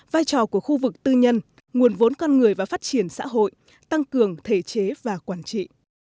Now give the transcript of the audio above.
vai trò của khu vực tư nhân nguồn vốn con người và phát triển xã hội tăng cường thể chế và quản trị